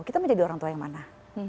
kita menjadi orang tua yang mana